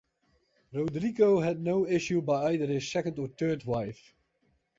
Rodrigo had no issue by either his second or third wife.